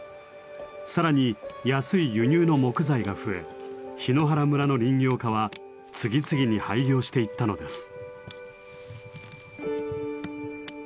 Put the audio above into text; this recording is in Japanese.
更に安い輸入の木材が増え檜原村の林業家は次々に廃業していったのです。